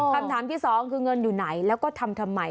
คำถามที่สองคือเงินอยู่ไหนแล้วก็ทำทำไม